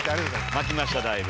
巻きましただいぶ。